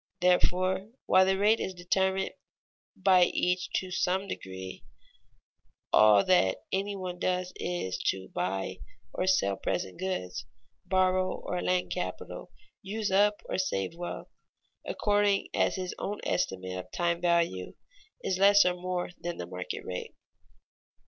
Therefore, while the rate is determined by each to some degree, all that any one does is to buy or sell present goods, borrow or lend capital, use up or save wealth, according as his own estimate of time value is less or more than the market rate.